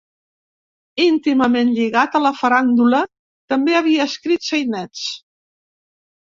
Íntimament lligat a la faràndula, també havia escrit sainets.